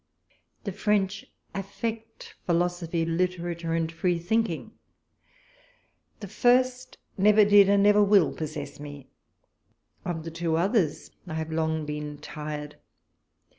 The French aifect philosophy, literature, and free thinking : the first never did, and never will possess me ; of the two others I have long been tired.